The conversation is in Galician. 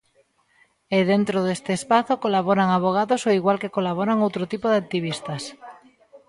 E dentro deste espazo colaboran avogados ao igual que colaboran outro tipo de activistas.